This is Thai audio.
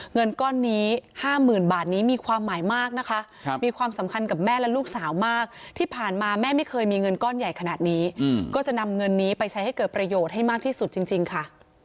เงินก้อนนี้๕๐๐๐บาทนี้มีความหมายมากนะคะมีความสำคัญกับแม่และลูกสาวมากที่ผ่านมาแม่ไม่เคยมีเงินก้อนใหญ่ขนาดนี้ก็จะนำเงินนี้ไปใช้ให้เกิดประโยชน์ให้มากที่สุดจริงค่ะ